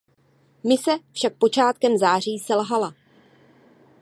Mise však počátkem září selhala.